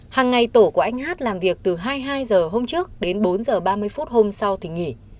hằng ngày tổ của anh hát làm việc từ hai mươi hai h hôm trước đến bốn h ba mươi phút hôm sau thì nghỉ